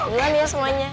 jalan ya semuanya